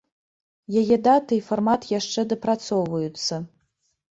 Яе дата і фармат яшчэ дапрацоўваюцца.